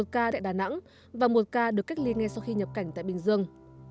một ca tại đà nẵng và một ca được cách ly ngay sau khi nhập cảnh tại bình dương